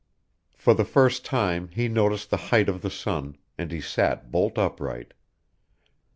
For the first time he noticed the height of the sun, and he sat bolt upright.